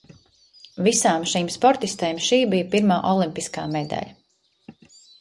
Visām šīm sportistēm šī bija pirmā olimpiskā medaļa.